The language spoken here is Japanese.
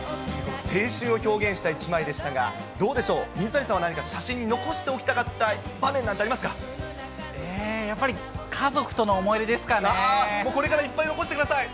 青春を表現した１枚でしたが、どうでしょう、水谷さんは何か、写真に残しておきたかった場面なやっぱり、家族との思い出でこれからいっぱい残してください。